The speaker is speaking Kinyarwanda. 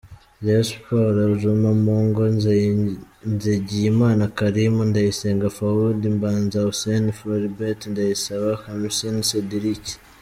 Reyo siporo: Juma Mpongo, Nzigiyimana Karim, Ndayisenga Faudi, Mbanza Hussein, Floribert Ndayisaba, Khamiss sediriki.